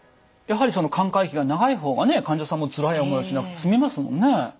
やはりその寛解期が長い方がね患者さんもつらい思いをしなくて済みますもんね。